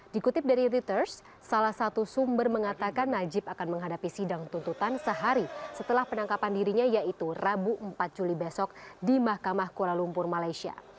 dikutip dari reuters salah satu sumber mengatakan najib akan menghadapi sidang tuntutan sehari setelah penangkapan dirinya yaitu rabu empat juli besok di mahkamah kuala lumpur malaysia